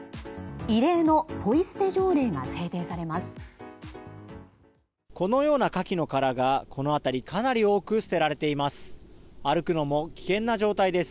異例のポイ捨て条例が制定されます。